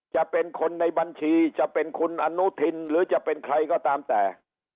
จะเป็นคนในบัญชีจะเป็นคุณอนุทินหรือจะเป็นใครก็ตามแต่